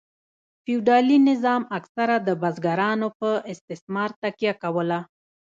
فیوډالي نظام اکثره د بزګرانو په استثمار تکیه کوله.